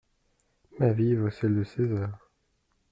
Ma vie vaut celle de César.